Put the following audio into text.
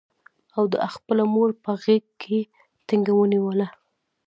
او ده خپله مور په غېږ کې ټینګه ونیوله.